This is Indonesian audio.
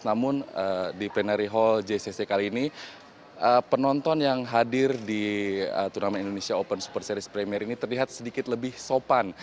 namun di plenary hall jcc kali ini penonton yang hadir di turnamen indonesia open super series premier ini terlihat sedikit lebih sopan